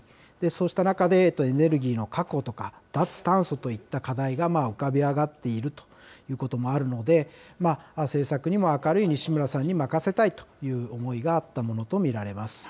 そうした中で、エネルギーの確保とか、脱炭素といった課題が浮かび上がっているということもあるので、政策にも明るい西村さんに任せたいという思いがあったものと見ら